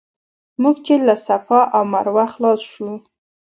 موږ چې له صفا او مروه خلاص شو.